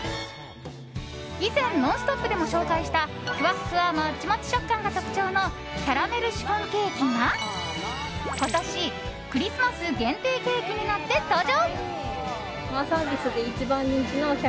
以前「ノンストップ！」でも紹介したふわふわもちもち食感が特徴のキャラメルシフォンケーキが今年、クリスマス限定ケーキになって登場！